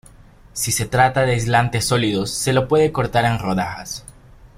Si se trata de aislantes sólidos, se los puede cortar en rodajas.